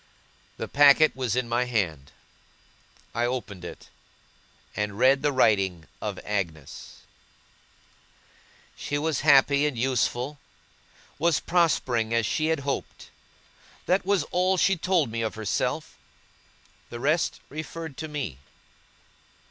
The packet was in my hand. I opened it, and read the writing of Agnes. She was happy and useful, was prospering as she had hoped. That was all she told me of herself. The rest referred to me.